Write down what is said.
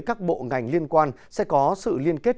các bộ ngành liên quan sẽ có sự liên kết